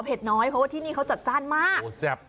น้อยเพราะว่าที่นี่เขาจัดจ้านมาก